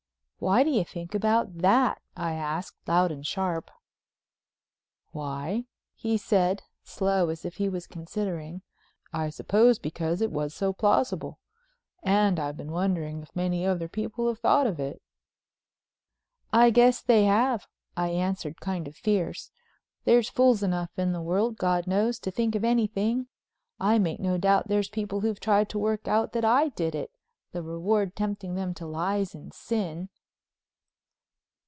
"Why do you think about that?" I asked loud and sharp. "Why," he said, slow as if he was considering, "I suppose because it was so plausible. And I've been wondering if many other people have thought of it." "I guess they have," I answered kind of fierce; "there's fools enough in the world, God knows, to think of anything. I make no doubt there's people who've tried to work out that I did it, the reward tempting them to lies and sin."